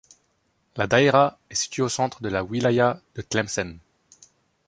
La daïra est située au centre de la wilaya de Tlemcen.